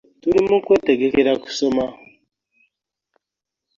Tuli mu kwetegekera kusoma.